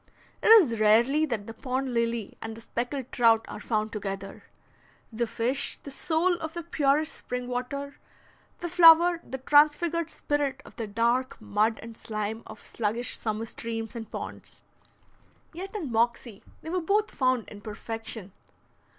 It is rarely that the pond lily and the speckled trout are found together, the fish the soul of the purest spring water, the flower the transfigured spirit of the dark mud and slime of sluggish summer streams and ponds; yet in Moxie they were both found in perfection.